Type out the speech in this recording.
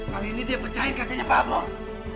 kali ini dia pecahin kerjanya pak abroh